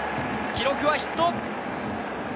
記録はヒット。